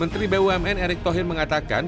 menteri bumn erick thohir mengatakan